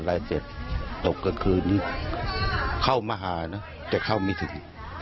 ไปเมื่อกลางคืนนี้เข้ามหาเนอะแต่เข้ามิถึง